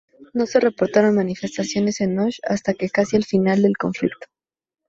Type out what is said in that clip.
No se reportaron manifestaciones en Osh hasta casi el final del conflicto.